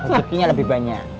rezekinya lebih banyak